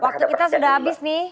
waktu kita sudah habis nih